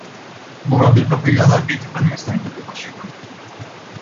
Probabil că perioada critică nu este încă depășită.